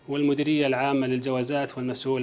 dan menteri al ama'ala jawa zat dan masul